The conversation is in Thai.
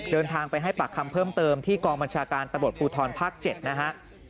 เดินทางไปให้ปากคำเพิ่มเติมที่กองบัญชาการตำรวจภูทรภาค๗นะฮะ